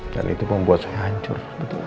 dan itu membuat saya hancur sebetulnya